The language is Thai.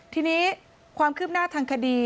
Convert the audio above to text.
ทีนี้ความคืบหน้าทางคดี